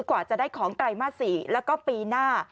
กว่าจะได้ของไตรมาส๔แล้วก็ปีหน้า